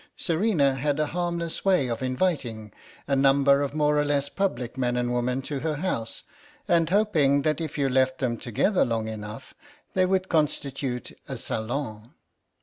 Serena had a harmless way of inviting a number of more or less public men and women to her house, and hoping that if you left them together long enough they would constitute a salon.